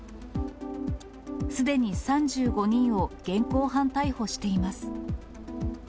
すでに３５人を現行犯逮捕しています。